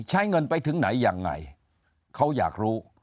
ใช้เงินไปถึงไหนยังไงเขาอยากรู้